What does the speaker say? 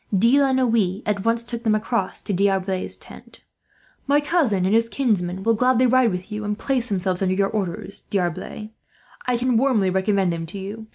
De la Noue at once took them across to D'Arblay's tent. "My cousin and his kinsman will gladly ride with you, and place themselves under your orders, D'Arblay. I can warmly commend them to you.